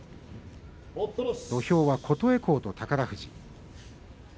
土俵は琴恵光と宝富士。